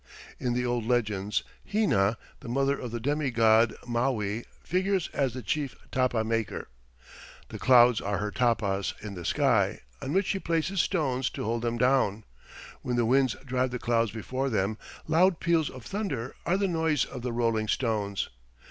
In the old legends, Hina, the mother of the demi god Maui, figures as the chief tapa maker. The clouds are her tapas in the sky, on which she places stones to hold them down. When the winds drive the clouds before them, loud peals of thunder are the noise of the rolling stones.